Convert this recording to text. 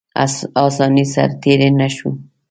اسانۍ سره تېر نه شو.